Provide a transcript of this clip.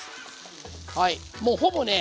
はいもうほぼね